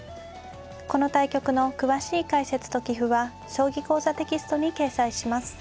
この対局の詳しい解説と棋譜は「将棋講座」テキストに掲載します。